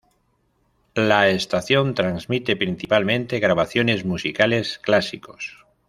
La estación transmite principalmente grabaciones musicales clásicos.